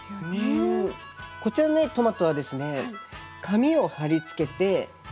こちらのトマトはですね